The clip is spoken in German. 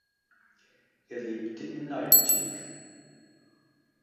Er lebte in Naltschik.